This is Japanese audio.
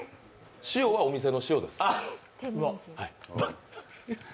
塩はお店の塩です。